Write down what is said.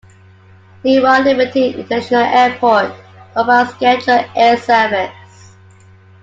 Newark Liberty International Airport provides scheduled air service.